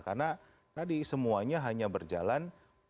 karena tadi semuanya hanya berjalan